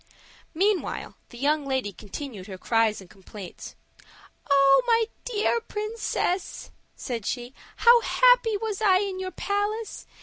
Meantime the young lady continued her cries and complaints. "Oh, my dear princess," said she, "how happy was I in your palace!